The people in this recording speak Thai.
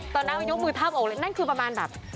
ตอนนั้นยกมือทาบอกเลยนั่นคือประมาณแบบ